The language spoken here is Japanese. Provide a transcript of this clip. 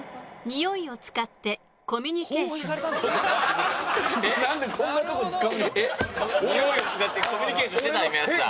においを使ってコミュニケーションしてた？